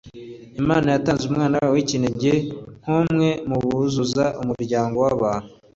Imana yatanze Umwana wayo w'ikinege nk'umwe mu buzuza umuryango w'abantu,